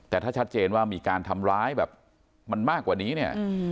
แต่ถ้าชัดเจนว่ามีการทำร้ายแบบมันมากกว่านี้เนี่ย